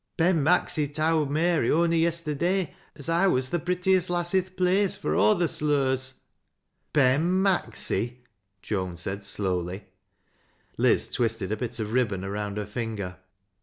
Ben Maxy towd Mary on'y yesterda^ as I was the prettiest laaa r th' place, fur aw their slurs.'"' " Ben Maxy I " Joan said slowly. Liz twisted a bit of ribbon around her finger.